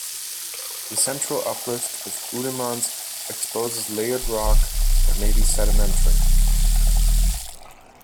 The central uplift of Oudemans exposes layered rock that may be sedimentary.